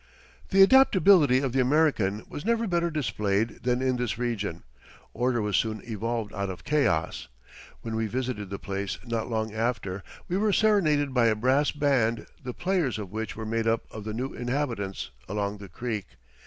The adaptability of the American was never better displayed than in this region. Order was soon evolved out of chaos. When we visited the place not long after we were serenaded by a brass band the players of which were made up of the new inhabitants along the creek.